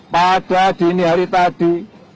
pada dini hari tadi